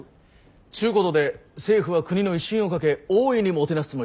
ちゅうことで政府は国の威信をかけ大いにもてなすつもりじゃ。